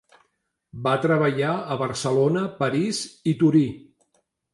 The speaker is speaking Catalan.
Va treballar a Barcelona, París i Torí.